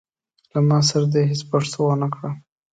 له ما سره دي هيڅ پښتو نه وکړه.